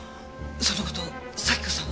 その事咲子さんは？